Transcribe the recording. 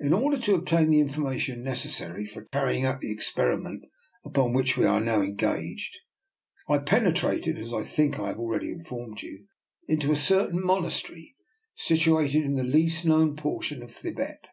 In order to obtain the information necessary for carry ing out the experiment upon which we are now engaged, I penetrated, as I think I have already informed you, into a certain monas tery situated in the least known portion of Thibet.